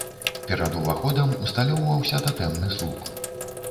Перад уваходам усталёўваўся татэмны слуп.